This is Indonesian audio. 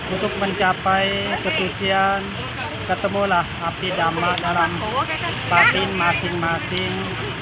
untuk mencapai kesucian ketemulah api dama dalam batin masing masing